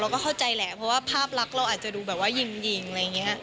ก็เข้าใจแหละเพราะว่าภาพลักษณ์เราอาจจะดูแบบว่าหญิงอะไรอย่างนี้